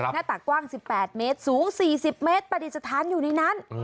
หน้าตากกว้าง๑๘เมตรสูง๔๐เมตรปฏิสถานอยู่ในนั้น